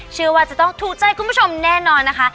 เชื่อว่าจะต้องถูกใจคุณผู้ชมแน่นอนนะคะ